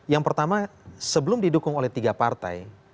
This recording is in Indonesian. yang pertama sebelum didukung oleh tiga partai